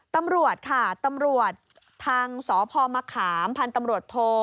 ตำรวจค่ะตำรวจทางสพมะขามพันธ์ตำรวจโท